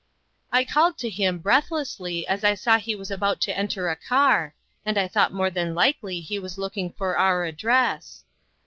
I called to him, breathlessly, as I saw he was about to enter a car, and I thought more than likely he was looking for our address.